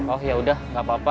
oh yaudah gak apa apa